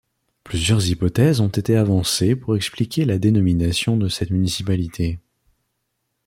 Plusieurs hypothèses ont été avancées pour expliquer la dénomination de cette municipalité.